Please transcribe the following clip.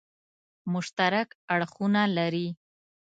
مشترک اړخونه لري.